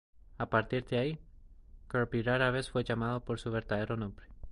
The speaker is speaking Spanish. A partir de ahí, Kirby rara vez fue llamado por su verdadero nombre.